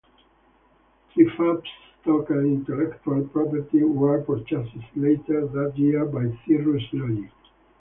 Tripath's stock and intellectual property were purchased later that year by Cirrus Logic.